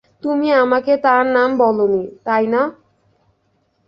তুমি আমাকে তার নাম বলোনি, তাই না?